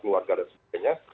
keluarga dan sebagainya